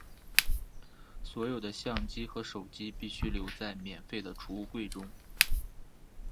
所有的相机和手机必须留在免费的储物柜中。